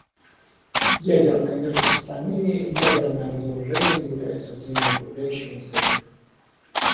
Ядерное нераспространение и ядерное разоружение являются взаимоукрепляющими целями.